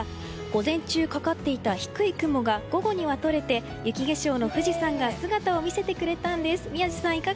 午前中かかっていた低い雲が午後にはとれて雪化粧の富士山が姿を見せてくれたんです。